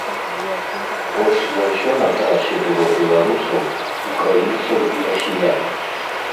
Больш за ўсё на трасе было беларусаў, украінцаў і расіян.